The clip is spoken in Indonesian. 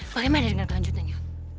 bagaimana dengan kelanjutannya